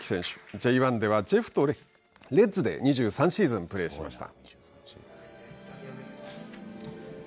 Ｊ１ではジェフとレッズで２３シーズンプレーしました。